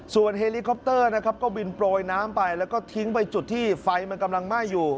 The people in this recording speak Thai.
ส่วนเฮลิคอปเตอร์นะครับก็บินโปรยน้ำไปแล้วก็ทิ้งไปจุดที่ไฟมันกำลังไหม้อยู่